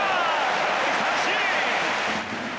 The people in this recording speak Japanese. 空振り三振！